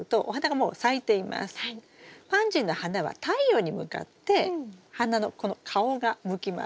パンジーの花は太陽に向かって花のこの顔が向きます。